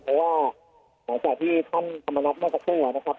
เพราะว่าหลังจากที่ท่านธรรมนับมากับเจ้าหน้านะครับ